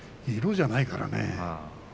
色じゃないからね。